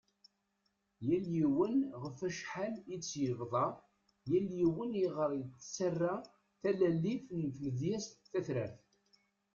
Yal yiwen ɣef acḥal i tt-yebḍa, yal yiwen i ɣer yettara talalit n tmedyazt tatrart .